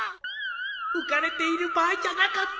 浮かれている場合じゃなかった。